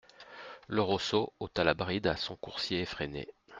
Le Rosso ôta la bride à son coursier effréné.